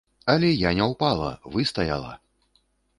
Але я не ўпала, выстаяла!